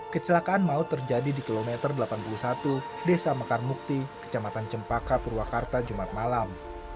kecelakaan maut terjadi di kilometer delapan puluh satu desa mekar mukti kecamatan cempaka purwakarta jumat malam